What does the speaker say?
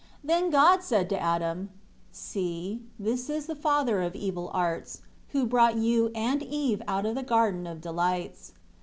7 Then God said to Adam, "See, that is the father of evil arts, who brought you and Eve out of the Garden of Delights.